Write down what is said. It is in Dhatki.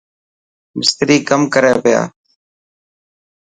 مستري ڪم ڪري پيا.